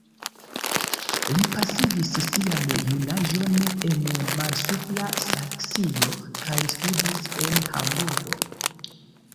Li pasigis sian junaĝon en Malsupra Saksio kaj studis en Hamburgo.